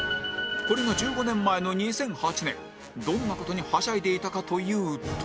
これが１５年前の２００８年どんな事にハシャいでいたかというと